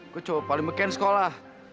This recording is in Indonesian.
gue cowok paling beken sekolah